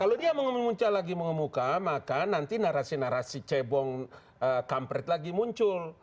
kalau dia muncul lagi mengemuka maka nanti narasi narasi cebong kampret lagi muncul